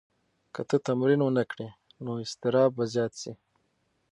که ته تمرین ونه کړې نو اضطراب به زیات شي.